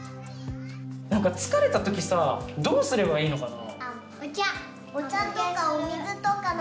疲れた時さどうすればいいのかな？